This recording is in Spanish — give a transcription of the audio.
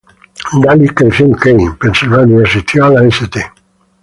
Daly creció en Kane, Pensilvania, y asistió a la St.